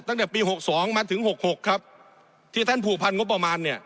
ตั้งแต่ปีหกสองมาถึงหกหกครับที่ท่านผูกพันงบประมาณเนี่ย